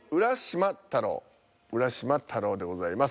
「浦島太郎」でございます。